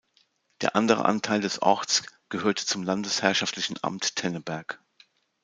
Der andere Anteil des Orts gehörte zum landesherrschaftlichen Amt Tenneberg.